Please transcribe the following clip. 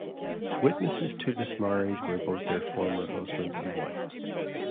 Witnesses to this marriage were both their former husband and wife.